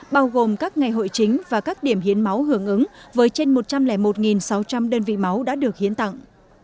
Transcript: bao gồm các ngày hội chính và các điểm hiến máu hưởng ứng với trên một trăm linh một sáu trăm linh đơn vị máu đã được hiến tặng